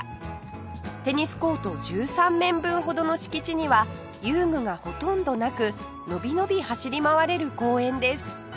テニスコート１３面分ほどの敷地には遊具がほとんどなく伸び伸び走り回れる公園です